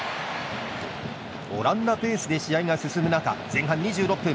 オランダペースで試合が進む中、前半２６分。